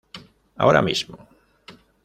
Ahora mismo".